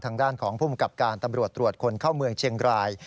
ทางด้านของภูมิกับการตำรวจตรวจคนเข้าเมืองเชียงราย